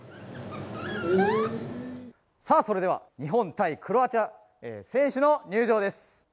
さあそれでは、日本対クロアチア、選手の入場です。